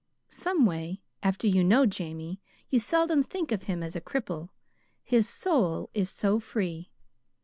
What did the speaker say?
Someway, after you know Jamie, you seldom think of him as a cripple, his SOUL is so free.